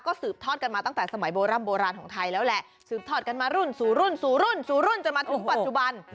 สืบทอดกันมาตั้งแต่สมัยโบร่ำโบราณของไทยแล้วแหละสืบทอดกันมารุ่นสู่รุ่นสู่รุ่นสู่รุ่นจนมาถึงปัจจุบัน